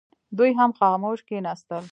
دوی هم خاموش کښېنستل.